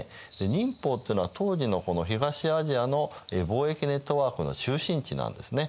寧波っていうのは当時の東アジアの貿易ネットワークの中心地なんですね。